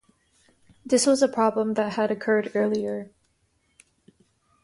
This was a problem that had occurred earlier.